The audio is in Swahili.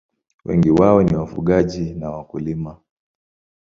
Wengi wao ni wafugaji na wakulima.